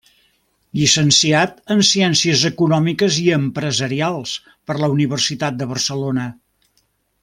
Llicenciat en Ciències Econòmiques i Empresarials per la Universitat de Barcelona.